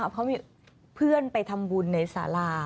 เพราะมีเพื่อนไปทำบุญในสารา